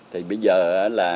thì bây giờ là